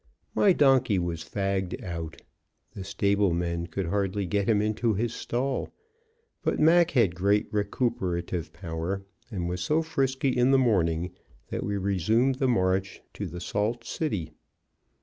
My donkey was fagged out. The stable men could hardly get him into his stall; but Mac had great recuperative power, and was so frisky in the morning that we resumed the march to the Salt City.